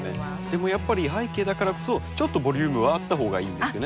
でもやっぱり背景だからこそちょっとボリュームはあったほうがいいんですよね。